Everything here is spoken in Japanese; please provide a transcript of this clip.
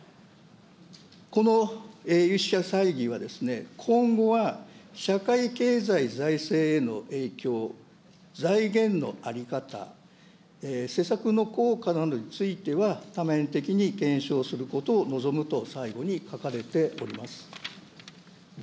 この有識者会議は、今後は社会経済財政への影響、財源の在り方、施策の効果などについては、多面的に検証することを望むと最後に書かれております。